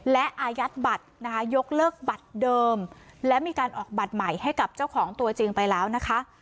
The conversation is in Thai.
และอายัดบัตรนะคะยกเลิกบัตรเดิมและมีการออกบัตรใหม่ให้กับเจ้าของตัวจริงไปแล้วนะคะ